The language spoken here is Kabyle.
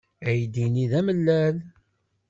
Aydi-nni d amellal.